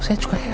saya juga heran